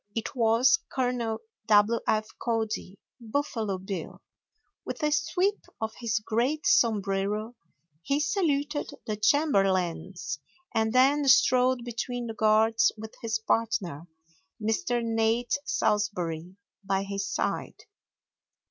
It was Col. W. F. Cody, "Buffalo Bill." With a sweep of his great sombrero he saluted the chamberlains, and then strode between the guards with his partner, Mr. Nate Salsbury, by his side.